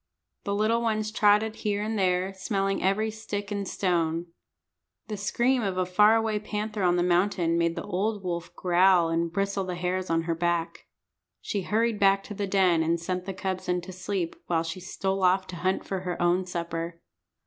The little ones trotted here and there, smelling every stick and stone. The scream of a far away panther on the mountain made the old wolf growl and bristle the hairs on her back. She hurried back to the den and sent the cubs in to sleep, while she stole off to hunt for her own supper.